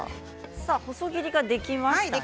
細切りができましたね。